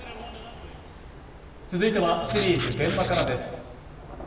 続いては、シリーズ「現場から」です。